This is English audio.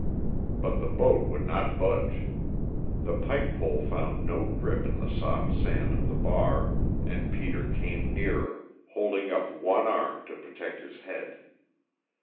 But the boat would not budge. The pike pole found no grip in the soft sand of the bar, and Peter came nearer, holding up one arm to protect his head.